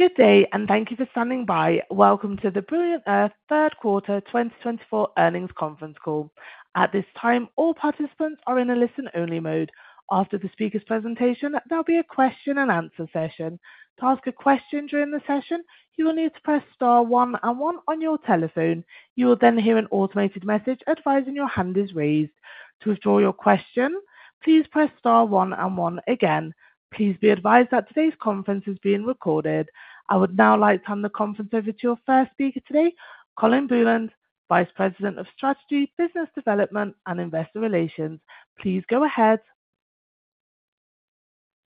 Good day, and thank you for standing by. Welcome to the Brilliant Earth Third Quarter 2024 Earnings Conference Call. At this time, all participants are in a listen-only mode. After the speaker's presentation, there'll be a question-and-answer session. To ask a question during the session, you will need to press star one and one on your telephone. You will then hear an automated message advising your hand is raised. To withdraw your question, please press star one and one again. Please be advised that today's conference is being recorded. I would now like to hand the conference over to your first speaker today, Colin Bourland, Vice President of Strategy, Business Development, and Investor Relations. Please go ahead.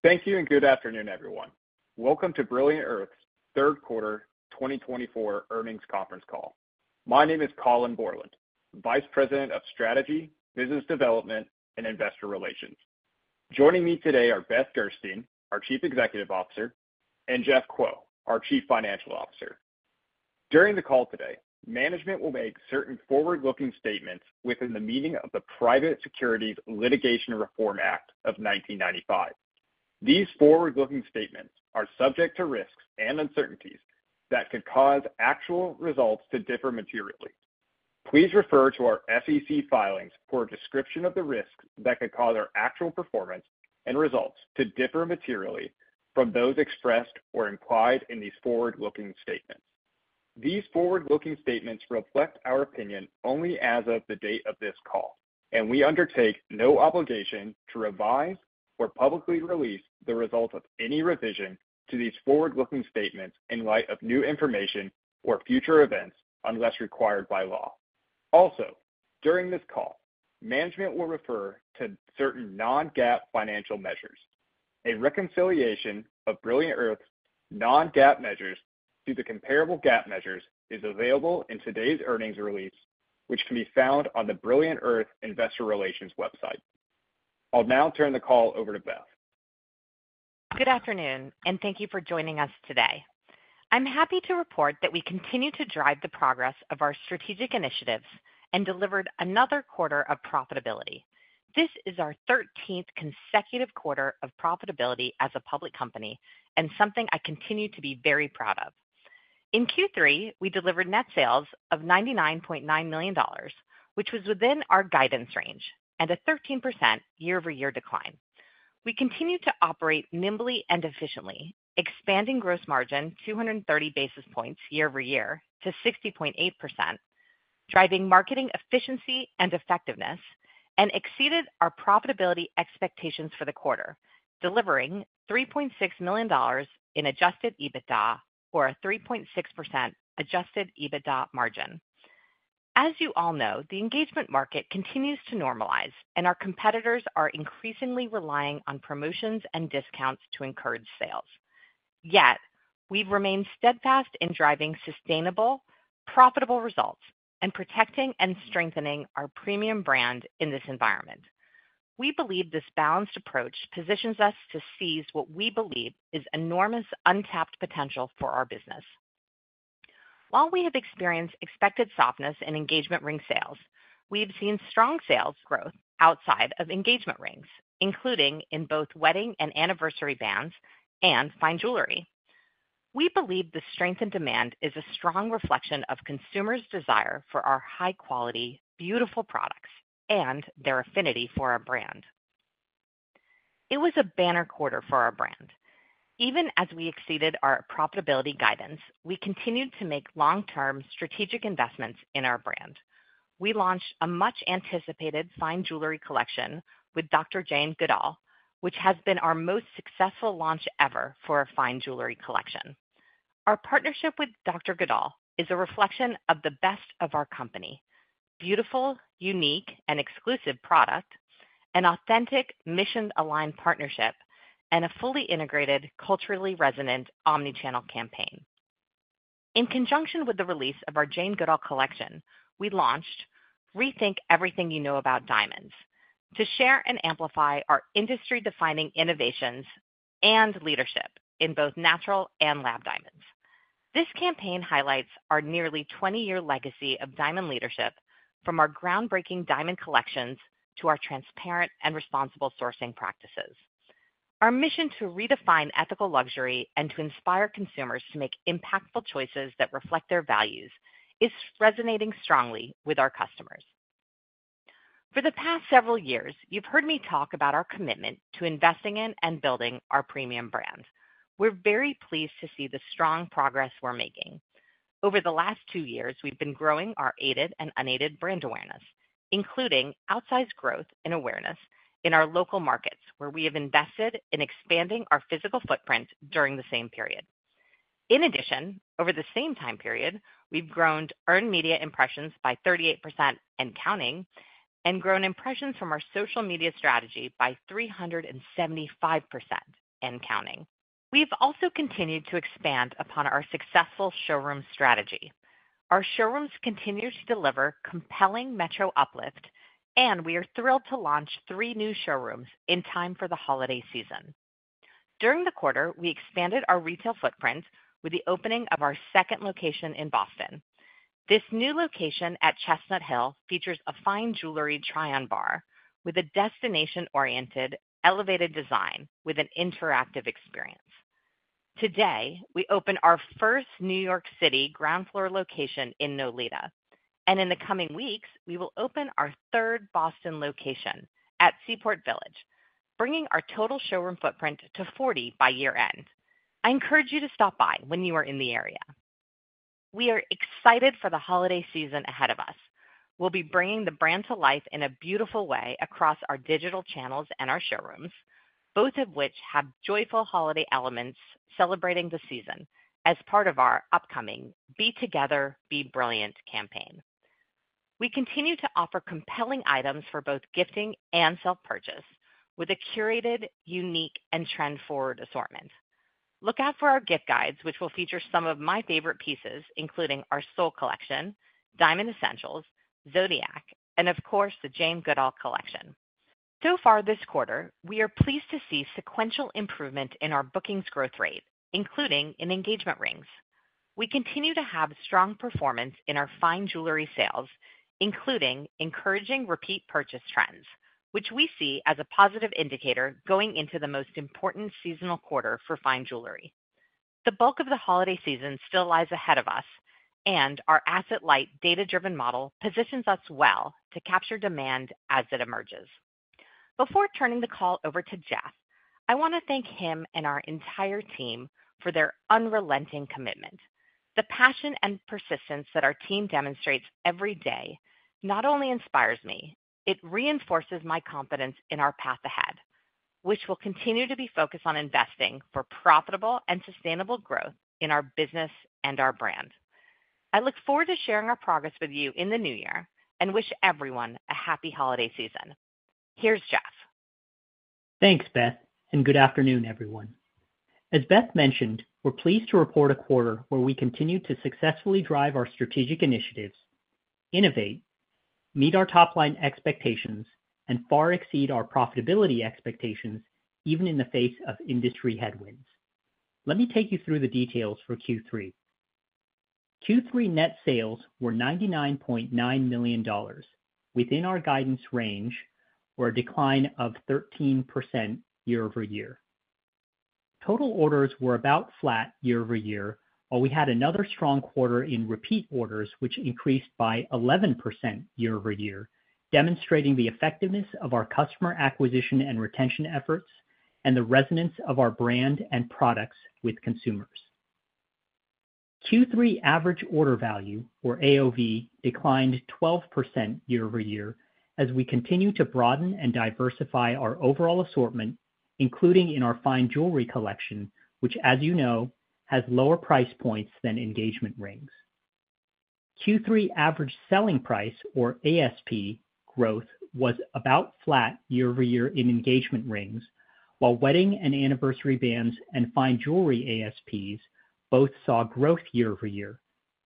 Thank you, and good afternoon, everyone. Welcome to Brilliant Earth's third quarter 2024 earnings conference call. My name is Colin Bourland, Vice President of Strategy, Business Development, and Investor Relations. Joining me today are Beth Gerstein, our Chief Executive Officer, and Jeff Kuo, our Chief Financial Officer. During the call today, management will make certain forward-looking statements within the meaning of the Private Securities Litigation Reform Act of 1995. These forward-looking statements are subject to risks and uncertainties that could cause actual results to differ materially. Please refer to our SEC filings for a description of the risks that could cause our actual performance and results to differ materially from those expressed or implied in these forward-looking statements. These forward-looking statements reflect our opinion only as of the date of this call, and we undertake no obligation to revise or publicly release the result of any revision to these forward-looking statements in light of new information or future events unless required by law. Also, during this call, management will refer to certain non-GAAP financial measures. A reconciliation of Brilliant Earth's non-GAAP measures to the comparable GAAP measures is available in today's earnings release, which can be found on the Brilliant Earth Investor Relations website. I'll now turn the call over to Beth. Good afternoon, and thank you for joining us today. I'm happy to report that we continue to drive the progress of our strategic initiatives and delivered another quarter of profitability. This is our 13th consecutive quarter of profitability as a public company and something I continue to be very proud of. In Q3, we delivered net sales of $99.9 million, which was within our guidance range and a 13% year-over-year decline. We continue to operate nimbly and efficiently, expanding gross margin 230 basis points year-over-year to 60.8%, driving marketing efficiency and effectiveness, and exceeded our profitability expectations for the quarter, delivering $3.6 million in adjusted EBITDA or a 3.6% adjusted EBITDA margin. As you all know, the engagement market continues to normalize, and our competitors are increasingly relying on promotions and discounts to encourage sales. Yet, we've remained steadfast in driving sustainable, profitable results and protecting and strengthening our premium brand in this environment. We believe this balanced approach positions us to seize what we believe is enormous untapped potential for our business. While we have experienced expected softness in engagement ring sales, we have seen strong sales growth outside of engagement rings, including in both wedding and anniversary bands and fine jewelry. We believe the strength in demand is a strong reflection of consumers' desire for our high-quality, beautiful products and their affinity for our brand. It was a banner quarter for our brand. Even as we exceeded our profitability guidance, we continued to make long-term strategic investments in our brand. We launched a much-anticipated fine jewelry collection with Dr. Jane Goodall, which has been our most successful launch ever for a fine jewelry collection. Our partnership with Dr. Goodall is a reflection of the best of our company: beautiful, unique, and exclusive product, an authentic, mission-aligned partnership, and a fully integrated, culturally resonant omnichannel campaign. In conjunction with the release of our Jane Goodall Collection, we launched "Rethink Everything You Know About Diamonds" to share and amplify our industry-defining innovations and leadership in both natural and lab diamonds. This campaign highlights our nearly 20-year legacy of diamond leadership, from our groundbreaking diamond collections to our transparent and responsible sourcing practices. Our mission to redefine ethical luxury and to inspire consumers to make impactful choices that reflect their values is resonating strongly with our customers. For the past several years, you've heard me talk about our commitment to investing in and building our premium brand. We're very pleased to see the strong progress we're making. Over the last two years, we've been growing our aided and unaided brand awareness, including outsized growth in awareness in our local markets, where we have invested in expanding our physical footprint during the same period. In addition, over the same time period, we've grown earned media impressions by 38% and counting and grown impressions from our social media strategy by 375% and counting. We've also continued to expand upon our successful showroom strategy. Our showrooms continue to deliver compelling metro uplift, and we are thrilled to launch three new showrooms in time for the holiday season. During the quarter, we expanded our retail footprint with the opening of our second location in Boston. This new location at Chestnut Hill features a fine jewelry try-on bar with a destination-oriented, elevated design with an interactive experience. Today, we open our first New York City ground floor location in Nolita, and in the coming weeks, we will open our third Boston location at Seaport Village, bringing our total showroom footprint to 40 by year-end. I encourage you to stop by when you are in the area. We are excited for the holiday season ahead of us. We'll be bringing the brand to life in a beautiful way across our digital channels and our showrooms, both of which have joyful holiday elements celebrating the season as part of our upcoming "Be Together, Be Brilliant" campaign. We continue to offer compelling items for both gifting and self-purchase with a curated, unique, and trend-forward assortment. Look out for our gift guides, which will feature some of my favorite pieces, including our Sol Collection, Diamond Essentials, Zodiac, and of course, the Jane Goodall Collection. So far this quarter, we are pleased to see sequential improvement in our bookings growth rate, including in engagement rings. We continue to have strong performance in our fine jewelry sales, including encouraging repeat purchase trends, which we see as a positive indicator going into the most important seasonal quarter for fine jewelry. The bulk of the holiday season still lies ahead of us, and our asset-light data-driven model positions us well to capture demand as it emerges. Before turning the call over to Jeff, I want to thank him and our entire team for their unrelenting commitment. The passion and persistence that our team demonstrates every day not only inspires me. It reinforces my confidence in our path ahead, which will continue to be focused on investing for profitable and sustainable growth in our business and our brand. I look forward to sharing our progress with you in the new year and wish everyone a happy holiday season. Here's Jeff. Thanks, Beth, and good afternoon, everyone. As Beth mentioned, we're pleased to report a quarter where we continue to successfully drive our strategic initiatives, innovate, meet our top-line expectations, and far exceed our profitability expectations even in the face of industry headwinds. Let me take you through the details for Q3. Q3 net sales were $99.9 million within our guidance range or a decline of 13% year-over-year. Total orders were about flat year-over-year, while we had another strong quarter in repeat orders, which increased by 11% year-over-year, demonstrating the effectiveness of our customer acquisition and retention efforts and the resonance of our brand and products with consumers. Q3 average order value, or AOV, declined 12% year-over-year as we continue to broaden and diversify our overall assortment, including in our fine jewelry collection, which, as you know, has lower price points than engagement rings. Q3 average selling price, or ASP, growth was about flat year-over-year in engagement rings, while wedding and anniversary bands and fine jewelry ASPs both saw growth year-over-year,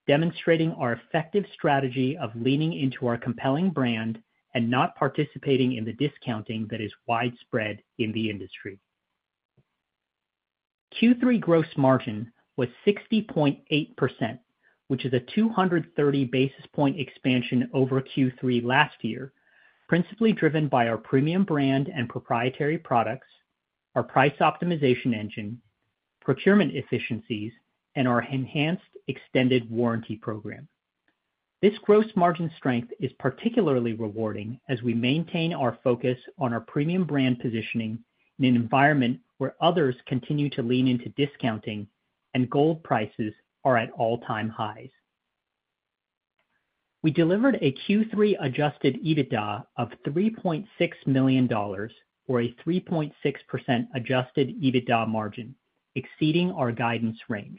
demonstrating our effective strategy of leaning into our compelling brand and not participating in the discounting that is widespread in the industry. Q3 gross margin was 60.8%, which is a 230 basis points expansion over Q3 last year, principally driven by our premium brand and proprietary products, our price optimization engine, procurement efficiencies, and our enhanced extended warranty program. This gross margin strength is particularly rewarding as we maintain our focus on our premium brand positioning in an environment where others continue to lean into discounting and gold prices are at all-time highs. We delivered a Q3 adjusted EBITDA of $3.6 million, or a 3.6% adjusted EBITDA margin, exceeding our guidance range.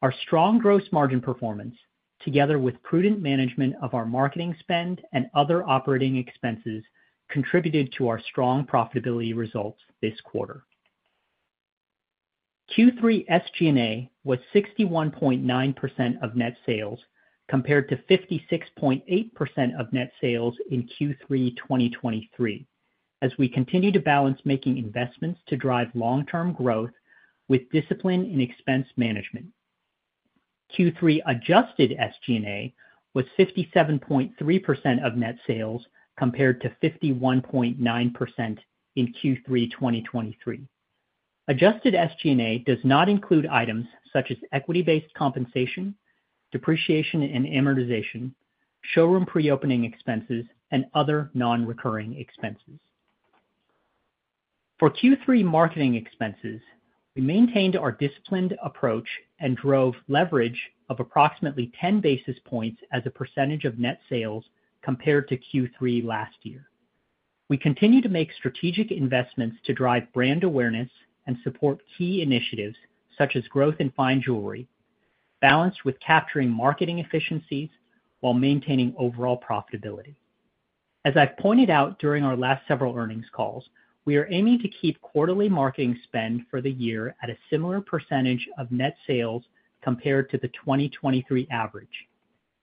Our strong gross margin performance, together with prudent management of our marketing spend and other operating expenses, contributed to our strong profitability results this quarter. Q3 SG&A was 61.9% of net sales compared to 56.8% of net sales in Q3 2023, as we continue to balance making investments to drive long-term growth with discipline in expense management. Q3 adjusted SG&A was 57.3% of net sales compared to 51.9% in Q3 2023. Adjusted SG&A does not include items such as equity-based compensation, depreciation and amortization, showroom pre-opening expenses, and other non-recurring expenses. For Q3 marketing expenses, we maintained our disciplined approach and drove leverage of approximately 10 basis points as a percentage of net sales compared to Q3 last year. We continue to make strategic investments to drive brand awareness and support key initiatives such as growth in fine jewelry, balanced with capturing marketing efficiencies while maintaining overall profitability. As I've pointed out during our last several earnings calls, we are aiming to keep quarterly marketing spend for the year at a similar percentage of net sales compared to the 2023 average,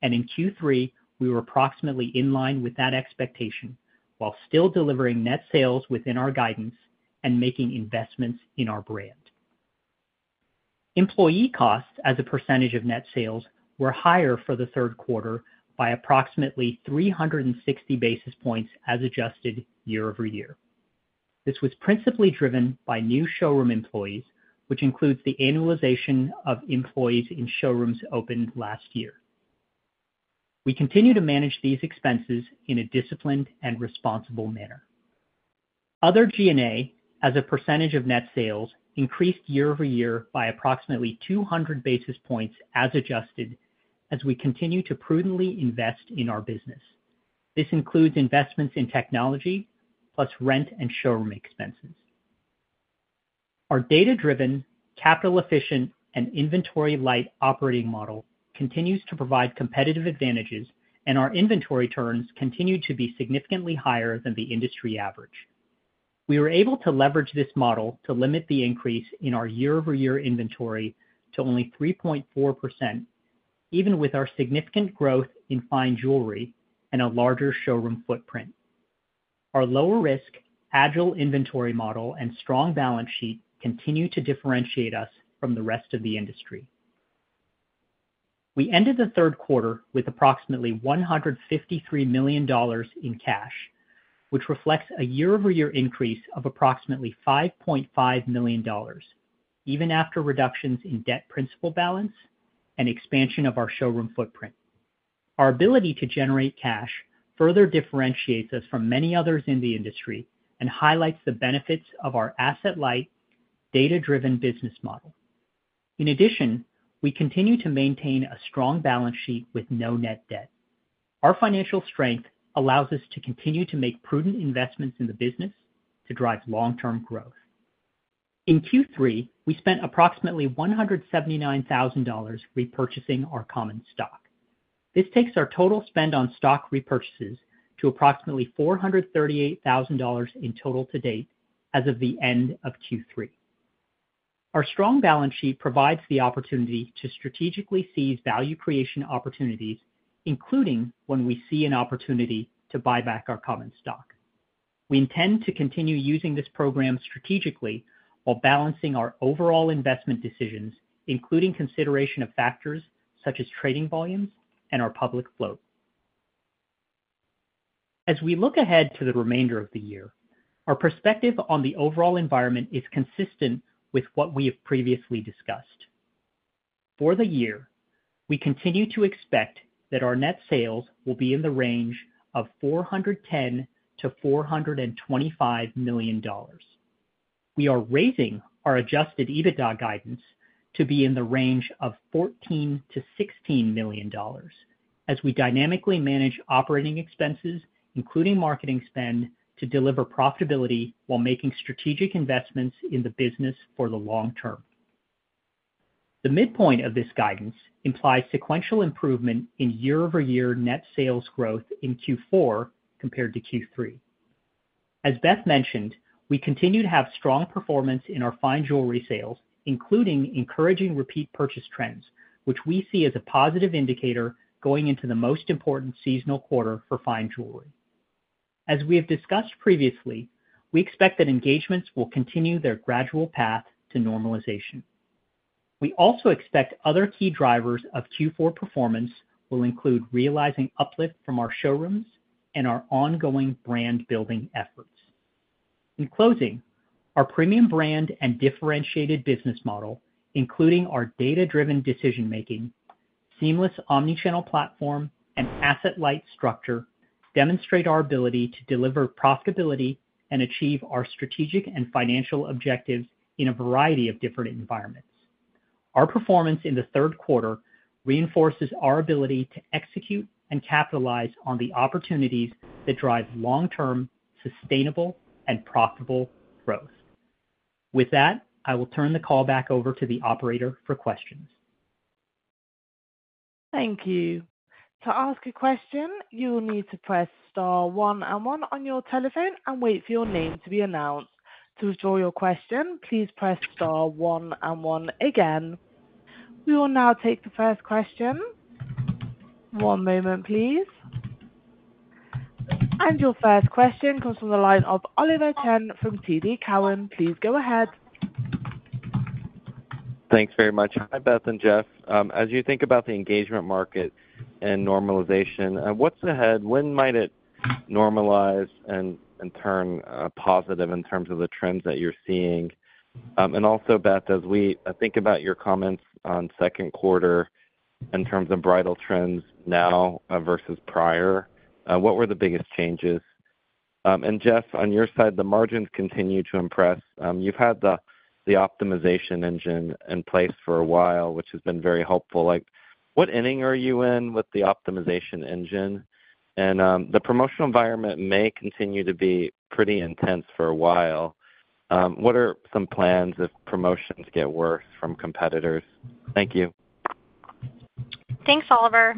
and in Q3, we were approximately in line with that expectation while still delivering net sales within our guidance and making investments in our brand. Employee costs as a percentage of net sales were higher for the third quarter by approximately 360 basis points as adjusted year-over-year. This was principally driven by new showroom employees, which includes the annualization of employees in showrooms opened last year. We continue to manage these expenses in a disciplined and responsible manner. Other SG&A as a percentage of net sales increased year-over-year by approximately 200 basis points as adjusted as we continue to prudently invest in our business. This includes investments in technology plus rent and showroom expenses. Our data-driven, capital-efficient, and inventory-light operating model continues to provide competitive advantages, and our inventory turns continue to be significantly higher than the industry average. We were able to leverage this model to limit the increase in our year-over-year inventory to only 3.4%, even with our significant growth in fine jewelry and a larger showroom footprint. Our lower-risk, agile inventory model and strong balance sheet continue to differentiate us from the rest of the industry. We ended the third quarter with approximately $153 million in cash, which reflects a year-over-year increase of approximately $5.5 million, even after reductions in debt principal balance and expansion of our showroom footprint. Our ability to generate cash further differentiates us from many others in the industry and highlights the benefits of our asset-light, data-driven business model. In addition, we continue to maintain a strong balance sheet with no net debt. Our financial strength allows us to continue to make prudent investments in the business to drive long-term growth. In Q3, we spent approximately $179,000 repurchasing our common stock. This takes our total spend on stock repurchases to approximately $438,000 in total to date as of the end of Q3. Our strong balance sheet provides the opportunity to strategically seize value creation opportunities, including when we see an opportunity to buy back our common stock. We intend to continue using this program strategically while balancing our overall investment decisions, including consideration of factors such as trading volumes and our public float. As we look ahead to the remainder of the year, our perspective on the overall environment is consistent with what we have previously discussed. For the year, we continue to expect that our net sales will be in the range of $410-$425 million. We are raising our Adjusted EBITDA guidance to be in the range of $14-$16 million as we dynamically manage operating expenses, including marketing spend, to deliver profitability while making strategic investments in the business for the long term. The midpoint of this guidance implies sequential improvement in year-over-year net sales growth in Q4 compared to Q3. As Beth mentioned, we continue to have strong performance in our fine jewelry sales, including encouraging repeat purchase trends, which we see as a positive indicator going into the most important seasonal quarter for fine jewelry. As we have discussed previously, we expect that engagements will continue their gradual path to normalization. We also expect other key drivers of Q4 performance will include realizing uplift from our showrooms and our ongoing brand-building efforts. In closing, our premium brand and differentiated business model, including our data-driven decision-making, seamless omnichannel platform, and asset-light structure, demonstrate our ability to deliver profitability and achieve our strategic and financial objectives in a variety of different environments. Our performance in the third quarter reinforces our ability to execute and capitalize on the opportunities that drive long-term, sustainable, and profitable growth. With that, I will turn the call back over to the operator for questions. Thank you. To ask a question, you will need to press star one and one on your telephone and wait for your name to be announced. To withdraw your question, please press star one and one again. We will now take the first question. One moment, please. And your first question comes from the line of Oliver Chen from TD Cowen. Please go ahead. Thanks very much. Hi, Beth and Jeff. As you think about the engagement market and normalization, what's ahead? When might it normalize and turn positive in terms of the trends that you're seeing? And also, Beth, as we think about your comments on second quarter in terms of bridal trends now versus prior, what were the biggest changes? And Jeff, on your side, the margins continue to impress. You've had the optimization engine in place for a while, which has been very helpful. What inning are you in with the optimization engine? And the promotional environment may continue to be pretty intense for a while. What are some plans if promotions get worse from competitors? Thank you. Thanks, Oliver.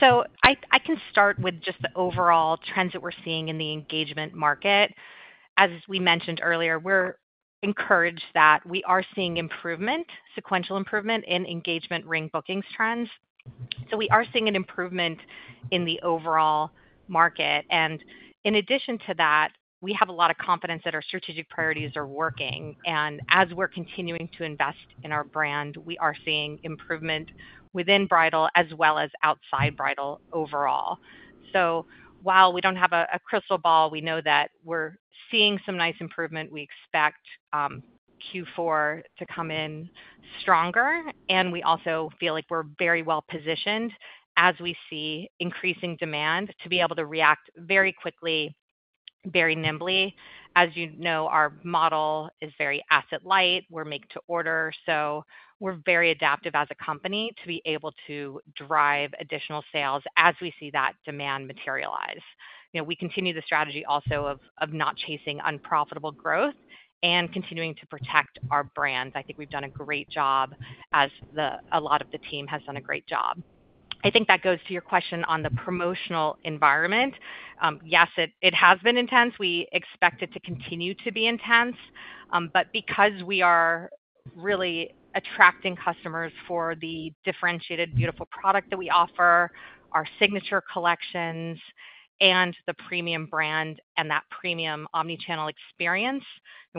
So I can start with just the overall trends that we're seeing in the engagement market. As we mentioned earlier, we're encouraged that we are seeing improvement, sequential improvement in engagement ring bookings trends. So we are seeing an improvement in the overall market. And in addition to that, we have a lot of confidence that our strategic priorities are working. And as we're continuing to invest in our brand, we are seeing improvement within Bridal as well as outside Bridal overall. So while we don't have a crystal ball, we know that we're seeing some nice improvement. We expect Q4 to come in stronger, and we also feel like we're very well positioned as we see increasing demand to be able to react very quickly, very nimbly. As you know, our model is very asset-light. We're make-to-order. So we're very adaptive as a company to be able to drive additional sales as we see that demand materialize. We continue the strategy also of not chasing unprofitable growth and continuing to protect our brand. I think we've done a great job as a lot of the team has done a great job. I think that goes to your question on the promotional environment. Yes, it has been intense. We expect it to continue to be intense. But because we are really attracting customers for the differentiated, beautiful product that we offer, our signature collections, and the premium brand and that premium omnichannel experience,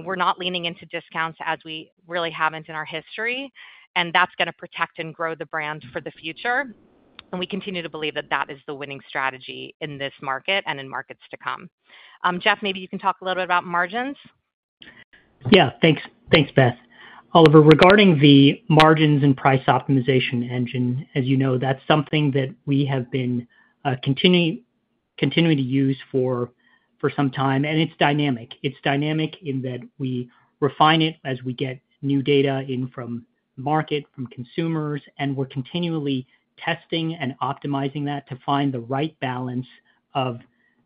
we're not leaning into discounts as we really haven't in our history. And that's going to protect and grow the brand for the future. And we continue to believe that that is the winning strategy in this market and in markets to come. Jeff, maybe you can talk a little bit about margins. Yeah. Thanks, Beth. Oliver, regarding the margins and price optimization engine, as you know, that's something that we have been continuing to use for some time. And it's dynamic. It's dynamic in that we refine it as we get new data in from the market, from consumers, and we're continually testing and optimizing that to find the right balance of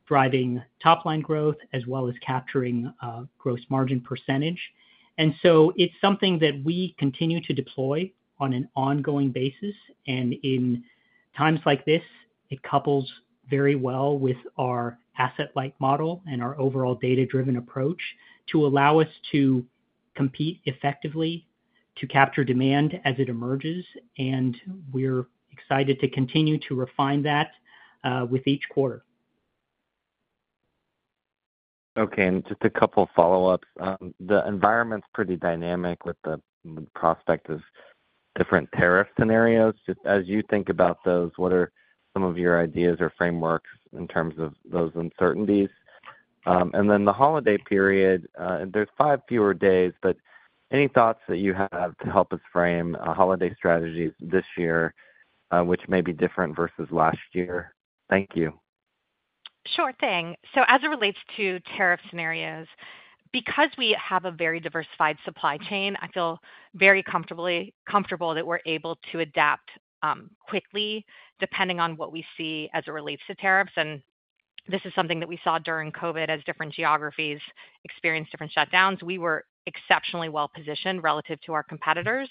driving top-line growth as well as capturing gross margin percentage. And so it's something that we continue to deploy on an ongoing basis. And in times like this, it couples very well with our asset-like model and our overall data-driven approach to allow us to compete effectively, to capture demand as it emerges. And we're excited to continue to refine that with each quarter. Okay. And just a couple of follow-ups. The environment's pretty dynamic with the prospect of different tariff scenarios. Just as you think about those, what are some of your ideas or frameworks in terms of those uncertainties? And then the holiday period, there's five fewer days, but any thoughts that you have to help us frame holiday strategies this year, which may be different versus last year? Thank you. Sure thing. As it relates to tariff scenarios, because we have a very diversified supply chain, I feel very comfortable that we're able to adapt quickly depending on what we see as it relates to tariffs. This is something that we saw during COVID as different geographies experienced different shutdowns. We were exceptionally well positioned relative to our competitors.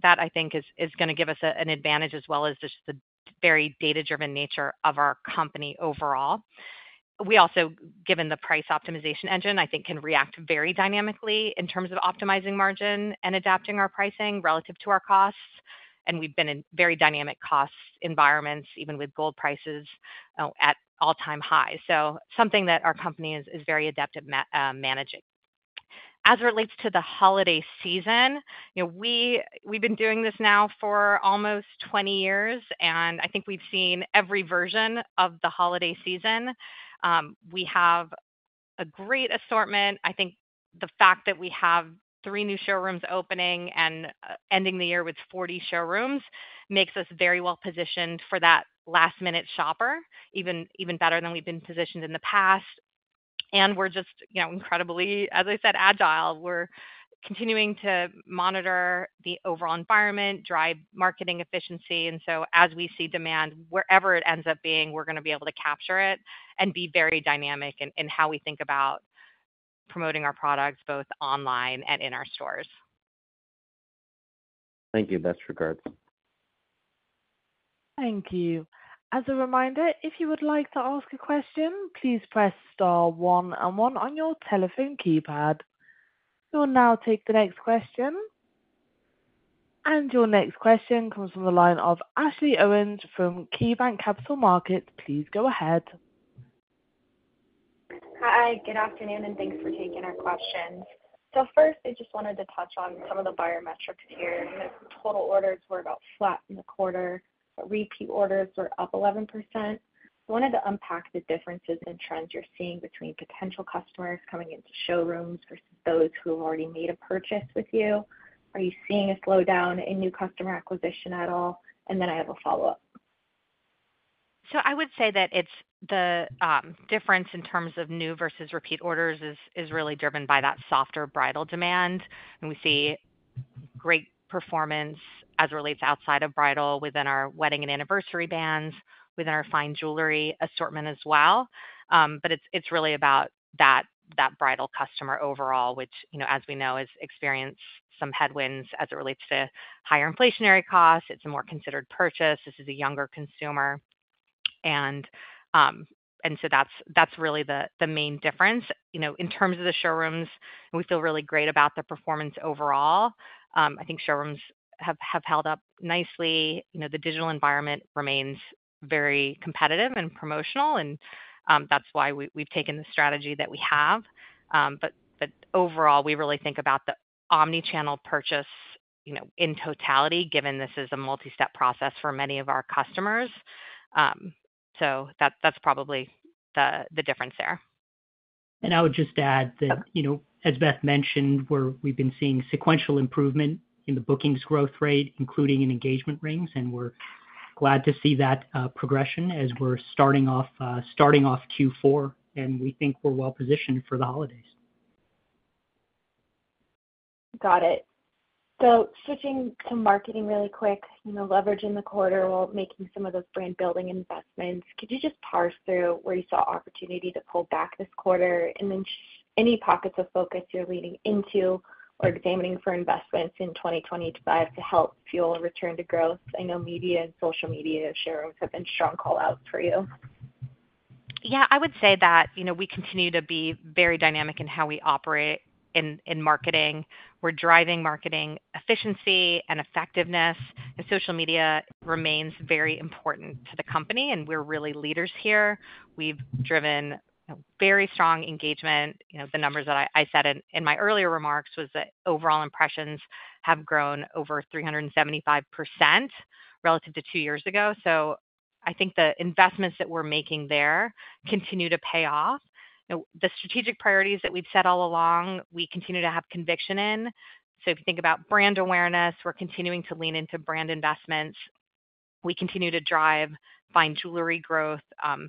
That, I think, is going to give us an advantage as well as just the very data-driven nature of our company overall. We also, given the price optimization engine, I think can react very dynamically in terms of optimizing margin and adapting our pricing relative to our costs. We've been in very dynamic cost environments, even with gold prices at all-time high. Something that our company is very adept at managing. As it relates to the holiday season, we've been doing this now for almost 20 years, and I think we've seen every version of the holiday season. We have a great assortment. I think the fact that we have three new showrooms opening and ending the year with 40 showrooms makes us very well positioned for that last-minute shopper, even better than we've been positioned in the past. And we're just incredibly, as I said, agile. We're continuing to monitor the overall environment, drive marketing efficiency. And so as we see demand, wherever it ends up being, we're going to be able to capture it and be very dynamic in how we think about promoting our products both online and in our stores. Thank you. Best regards. Thank you. As a reminder, if you would like to ask a question, please press star one and one on your telephone keypad. We will now take the next question, and your next question comes from the line of Ashley Owens from KeyBanc Capital Markets. Please go ahead. Hi. Good afternoon, and thanks for taking our questions. First, I just wanted to touch on some of the buyer metrics here. Total orders were about flat in the quarter. Repeat orders were up 11%. I wanted to unpack the differences in trends you're seeing between potential customers coming into showrooms versus those who have already made a purchase with you. Are you seeing a slowdown in new customer acquisition at all? And then I have a follow-up. So I would say that the difference in terms of new versus repeat orders is really driven by that softer bridal demand. And we see great performance as it relates outside of bridal within our wedding and anniversary bands, within our fine jewelry assortment as well. But it's really about that bridal customer overall, which, as we know, has experienced some headwinds as it relates to higher inflationary costs. It's a more considered purchase. This is a younger consumer. And so that's really the main difference. In terms of the showrooms, we feel really great about the performance overall. I think showrooms have held up nicely. The digital environment remains very competitive and promotional, and that's why we've taken the strategy that we have. But overall, we really think about the omnichannel purchase in totality, given this is a multi-step process for many of our customers. That's probably the difference there. I would just add that, as Beth mentioned, we've been seeing sequential improvement in the bookings growth rate, including in engagement rings. We're glad to see that progression as we're starting off Q4, and we think we're well positioned for the holidays. Got it. So switching to marketing really quick, leveraging the quarter while making some of those brand-building investments, could you just parse through where you saw opportunity to pull back this quarter and then any pockets of focus you're leaning into or examining for investments in 2025 to help fuel return to growth? I know media and social media showrooms have been strong callouts for you. Yeah. I would say that we continue to be very dynamic in how we operate in marketing. We're driving marketing efficiency and effectiveness. Social media remains very important to the company, and we're really leaders here. We've driven very strong engagement. The numbers that I said in my earlier remarks was that overall impressions have grown over 375% relative to two years ago. So I think the investments that we're making there continue to pay off. The strategic priorities that we've set all along, we continue to have conviction in. So if you think about brand awareness, we're continuing to lean into brand investments. We continue to drive fine jewelry growth, and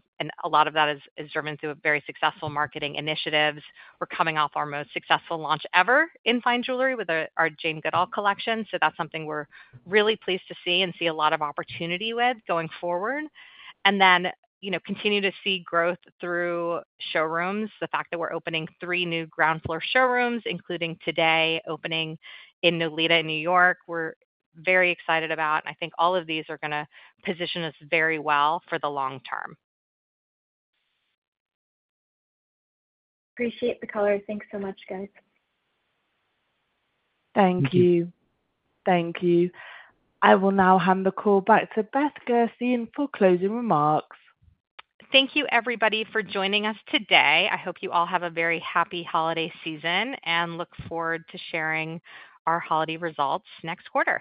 a lot of that is driven through very successful marketing initiatives. We're coming off our most successful launch ever in fine jewelry with our Jane Goodall collection. So that's something we're really pleased to see and see a lot of opportunity with going forward. And then continue to see growth through showrooms. The fact that we're opening three new ground-floor showrooms, including today's opening in Nolita, New York City, we're very excited about. And I think all of these are going to position us very well for the long term. Appreciate the color. Thanks so much, guys. Thank you. Thank you. I will now hand the call back to Beth Gerstein for closing remarks. Thank you, everybody, for joining us today. I hope you all have a very happy holiday season and look forward to sharing our holiday results next quarter.